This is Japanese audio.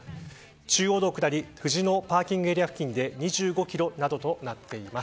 中央道下り藤野パーキングエリア付近で２５キロなどとなっています。